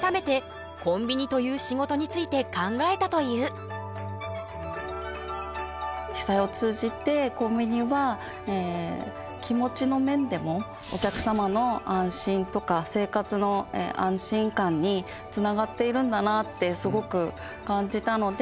改めて被災を通じてコンビニは気持ちの面でもお客様の安心とか生活の安心感につながっているんだなってすごく感じたので。